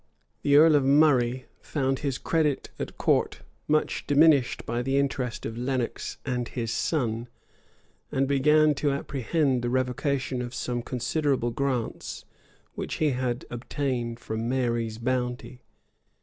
The earl of Murray found his credit at court much diminished by the interest of Lenox and his son; and began to apprehend the revocation of some considerable grants which he had obtained from Mary's bounty.